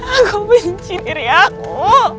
aku bencin diri aku